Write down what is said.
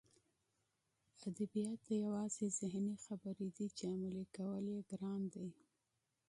ادبیات یوازې ذهني خبرې دي چې عملي کول یې ګران دي